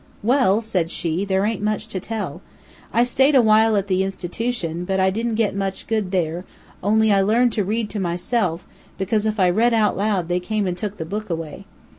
"Well," said she, "there ain't much to tell. I staid awhile at the institution, but I didn't get much good there, only I learned to read to myself, because if I read out loud they came and took the book away.